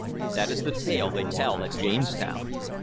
That is the tale they tell at Jamestown.